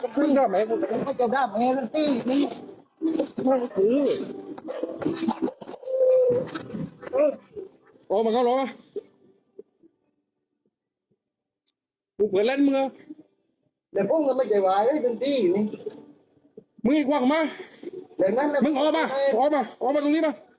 ต้มเจ๊นี่กูมาเจ็บเผื่อเล่นมึงยกติกตกนาดแม่กู